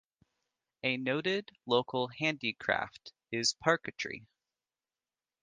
A noted local handicraft is parquetry.